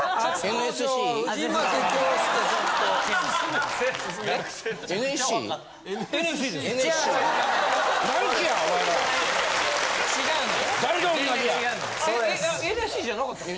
ＮＳＣじゃなかったの？